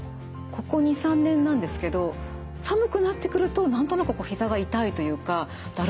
ここ２３年なんですけど寒くなってくると何となくひざが痛いというかだるさを感じます。